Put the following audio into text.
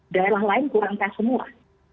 daerah lain kurang pas semua